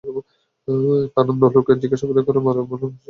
কারণ, ধলুকে জিজ্ঞাসাবাদ করা গেলে মানব পাচারের মূলহোতাদের শনাক্ত করা যেত।